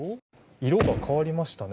色が変わりましたね。